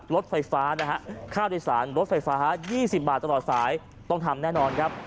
รถไฟฟ้านะฮะค่าโดยสารรถไฟฟ้า๒๐บาทตลอดสายต้องทำแน่นอนครับ